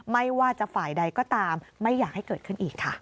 ไม่ว่าจะฝ่ายใดก็ตามไม่อยากให้เกิดขึ้นอีกค่ะ